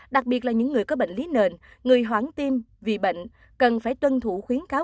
đặc biệt là những người có bệnh lý nền người hoáng tim vì bệnh cần phải tuân thủ khuyến cáo